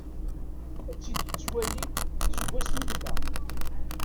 Ad-tt-id-yettwali, seg wass mi tella.